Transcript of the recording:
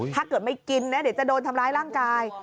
ถ้าเกิดไม่กินนะเดี๋ยวจะโดนทำร้ายร่างกาย